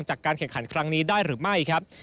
จากการแข่งขันครั้งนี้ได้หรือไม่ครับ